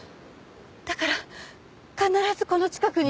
だから必ずこの近くに。